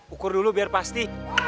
ukur dulu biar pasti